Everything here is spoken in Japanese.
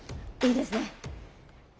いいですね。